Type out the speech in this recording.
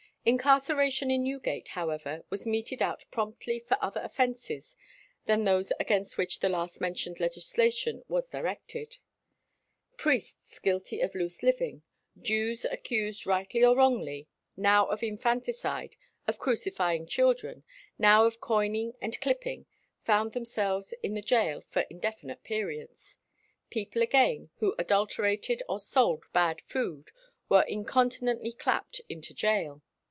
Incarceration in Newgate, however, was meted out promptly for other offences than those against which the last mentioned legislation was directed. Priests guilty of loose living, Jews accused rightly or wrongly, now of infanticide, of crucifying children, now of coining and clipping, found themselves in the gaol for indefinite periods. People, again, who adulterated or sold bad food were incontinently clapped into gaol.